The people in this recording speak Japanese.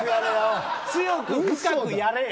強く深くやれよ。